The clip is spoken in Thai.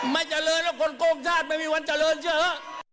ไม่เจริญแล้วคนโกงชาติไม่มีวันเจริญเชื้อ